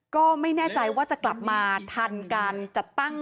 ก็ไม่แน่ใจว่าจะกลับมาทันการจัดตั้ง